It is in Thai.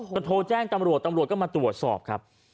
ก็โทรแจ้งตำรวจตำรวจก็มาตรวจสอบครับ